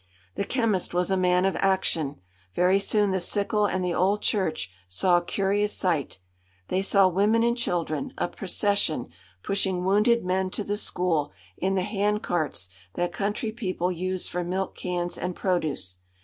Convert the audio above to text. The chemist was a man of action. Very soon the sickle and the old church saw a curious sight. They saw women and children, a procession, pushing wounded men to the school in the hand carts that country people use for milk cans and produce.